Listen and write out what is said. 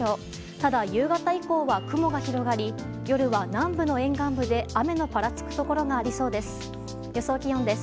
ただ、夕方以降は雲が広がり夜は南部の沿岸部で雨のぱらつくところがありそうです。